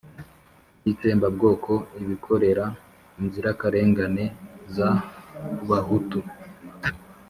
by'itsembabwoko ibikorera inzirakarengane z'abahutu.